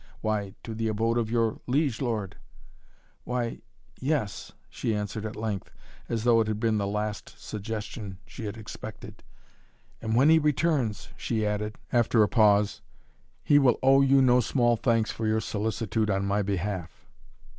"Why to the abode of your liege lord." "Why yes " she answered at length, as though it had been the last suggestion she had expected. "And when he returns," she added, after a pause, "he will owe you no small thanks for your solicitude on my behalf."